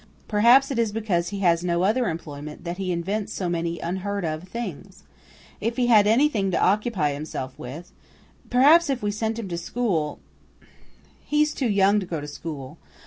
"Perhaps it is because he has no other employment that he invents so many unheard of things. If he had anything to occupy himself with perhaps if we sent him to school " "He's too young to go to school.